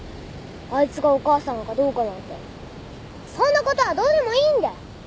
あいつがお母さんかどうかなんてそんなことはどうでもいいんだよ。